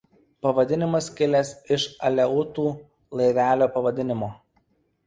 Pavadinimas kilęs iš aleutų laivelio pavadinimo.